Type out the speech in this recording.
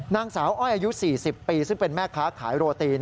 นางสาวอ้อยอายุ๔๐ปีซึ่งเป็นแม่ค้าขายโรตี